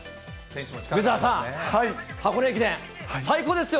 梅澤さん、箱根駅伝、最高ですよ